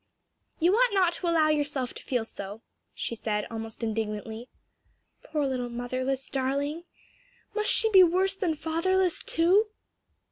"You ought not to allow yourself to feel so," she said almost indignantly. "Poor little motherless darling! must she be worse than fatherless too?"